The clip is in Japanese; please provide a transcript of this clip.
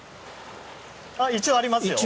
一応、ありますよ。